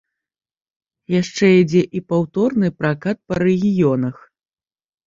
Яшчэ ідзе і паўторны пракат па рэгіёнах.